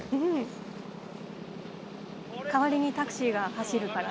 代わりにタクシーが走るから。